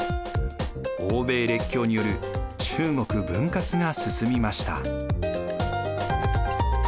欧米列強による中国分割が進みました。